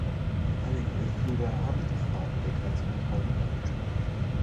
Einige Mitglieder haben die Frage der Grenzkontrollen angesprochen.